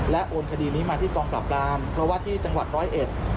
โอนคดีนี้มาที่กองปราบรามเพราะว่าที่จังหวัดร้อยเอ็ด